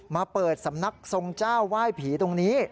มาเปิดสำนักทรงเจ้าไหว้ผีตรงนี้